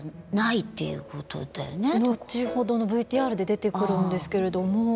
後ほどのＶＴＲで出てくるんですけれども。